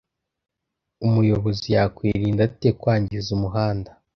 umuyobozi yakwirinda ate kwangiza umuhanda